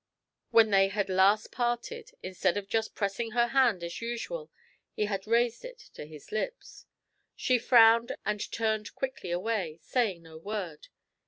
When they had last parted, instead of just pressing her hand as usual, he had raised it to his lips. She frowned and turned quickly away, saying no word.